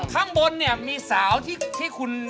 ข้างบนเนี่ยมีสาวที่คุณ